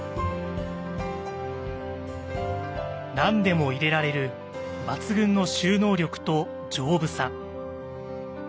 何でも入れられる抜群の収納力と丈夫さ。